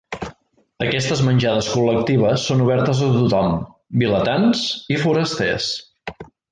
Aquestes menjades col·lectives són obertes a tothom, vilatans i forasters.